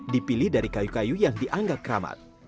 dipilih dari kayu kayu yang dianggap keramat